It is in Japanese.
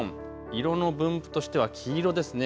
色の分布としては黄色ですね。